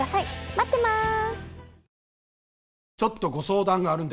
待ってます。